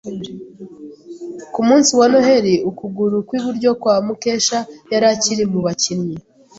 Ku munsi wa Noheri, ukuguru kwiburyo kwa Mukesha yari akiri mu bakinnyi.